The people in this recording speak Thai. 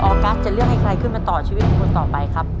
ัสจะเลือกให้ใครขึ้นมาต่อชีวิตเป็นคนต่อไปครับ